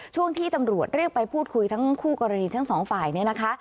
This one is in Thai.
ช่วงที่ตำรวจเรียกไปพูดคุยทั้งคู่กรณีทั้งสองฝ่ายเนี่ยนะคะ